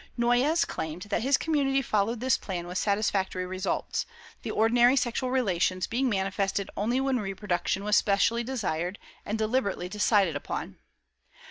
Noyes claimed that his community followed this plan with satisfactory results, the ordinary sexual relations being manifested only when reproduction was specially desired and deliberately decided upon.